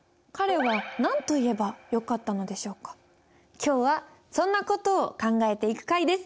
今日はそんな事を考えていく回です。